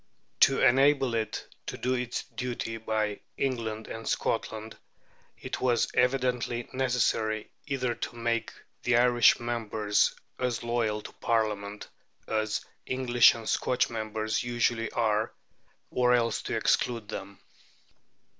To enable it to do its duty by England and Scotland, it was evidently necessary, either to make the Irish members as loyal to Parliament as English and Scotch members usually are, or else to exclude them.